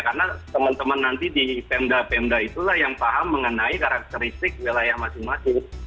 karena teman teman nanti di pemda pemda itulah yang paham mengenai karakteristik wilayah masing masing